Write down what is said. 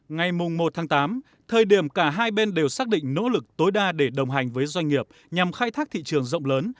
ngày một tháng tám thời điểm cả hai bên đều xác định nỗ lực tối đa để đồng hành với doanh nghiệp nhằm khai thác thị trường rộng lớn